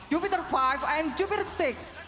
jupiter lima dan jupiter enam